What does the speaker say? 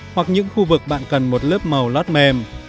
hoặc những khu vực bạn cần một lớp màu lót mềm